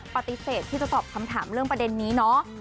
ปฏิเสธที่จะตอบคำถามเรื่องประเด็นนี้เนาะ